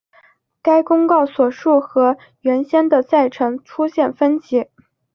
该公告所述和原先的赛程出现分歧。